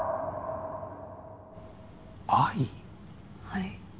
はい。